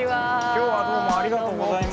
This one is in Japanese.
今日はどうもありがとうございます。